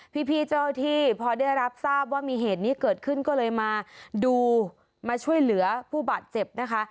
พี่เจ้าที่พอได้รับทราบว่ามีเหตุนี้เกิดขึ้นก็เลยมาดูมาช่วยเหลือผู้บาดเจ็บนะคะ